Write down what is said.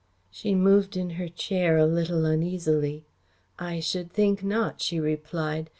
She moved in her chair a little uneasily. "I should think not," she replied.